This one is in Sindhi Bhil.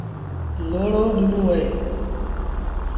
لوڙو ڏيݩوٚن اهي۔